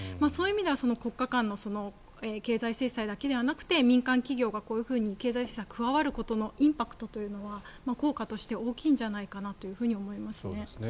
そういう意味では国家間での経済制裁だけではなくて民間企業がこういうふうに経済制裁に加わることのインパクトというのは効果として大きいんじゃないかなと思いますね。